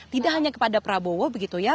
tidak hanya kepada prabowo begitu ya